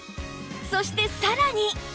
そしてさらに